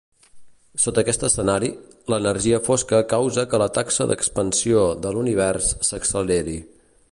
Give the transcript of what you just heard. Sota aquest escenari, l'energia fosca causa que la taxa d'expansió de l'univers s'acceleri.